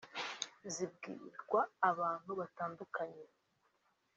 zibwirwa abantu batandukanye